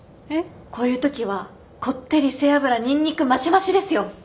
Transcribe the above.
こういうときはこってり背脂ニンニクマシマシですよ。